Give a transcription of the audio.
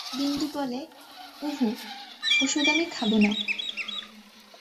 বিন্দু বলে, উঁহু, ওষুধ আমি খাব না!